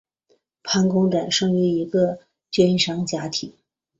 潘公展生于一个绢商家庭。